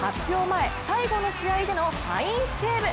前最後の試合でのファインセーブ。